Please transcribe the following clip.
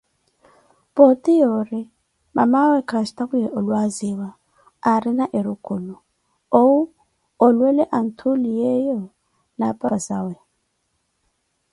Pooti yoori mamaa awe kastawiye olwaaziwa aarina erukulu, owu olwele athuliyeeyo na apapa zawe.